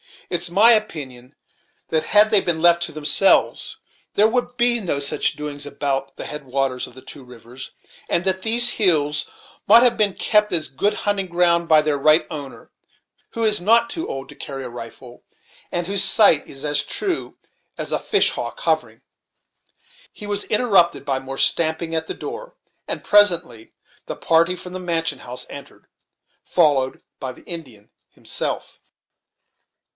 "It's my opinion that, had they been left to themselves, there would be no such doings now about the head waters of the two rivers, and that these hills mought have been kept as good hunting ground by their right owner, who is not too old to carry a rifle, and whose sight is as true as a fish hawk hovering " He was interrupted by more stamping at the door, and presently the party from the mansion house entered, followed by the Indian himself.